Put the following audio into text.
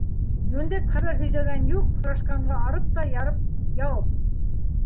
Йүндәп хәбәр һөйҙәгән юҡ, һорашҡанға арып та ярып яуап...